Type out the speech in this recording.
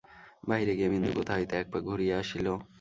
বাহিরে গিয়া বিন্দু কোথা হইতে একপাক ঘুরিয়া আসিল।